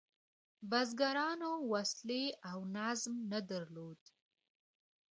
بزګرانو وسلې او نظم نه درلود.